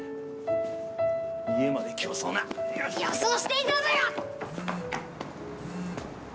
家まで競走な。予想していたぞよ！